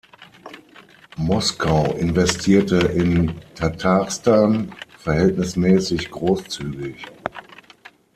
Moskau investierte in Tatarstan verhältnismäßig großzügig.